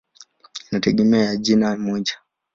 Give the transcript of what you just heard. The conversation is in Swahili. Inategemea ya jina moja.